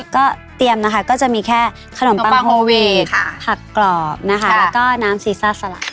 ก็เตรียมนะคะก็จะมีแค่ขนมปังโฮเวทผักกรอบนะคะแล้วก็น้ำซีซ่าสลัด